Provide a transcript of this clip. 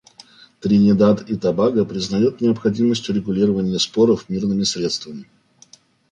Тринидад и Тобаго признает необходимость урегулирования споров мирными средствами.